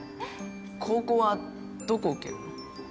高校はどこ受けるの？